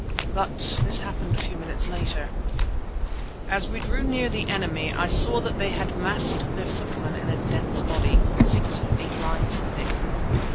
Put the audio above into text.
But this happened a few minutes later. As we drew near the enemy I saw that they had massed their footmen in a dense body, six or eight lines thick.